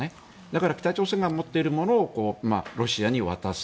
だから北朝鮮が持っているものをロシアに渡す。